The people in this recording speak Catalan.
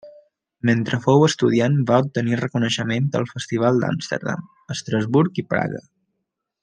Mentre fou estudiant va obtenir reconeixements als festivals d'Amsterdam, Estrasburg i Praga.